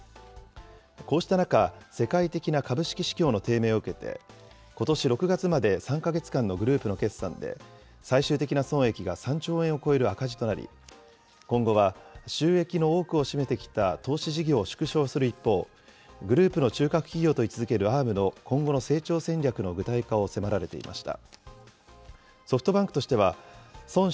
こうした中、世界的な株式市況の低迷を受けて、ことし６月まで３か月間のグループの決算で、最終的な損益が３兆円を超える赤字となり、今後は収益の多くを占めてきた投資事業を縮小する一方、グループの中核企業と位置づけるＡｒｍの今後の成長戦略の具体化を迫られていました。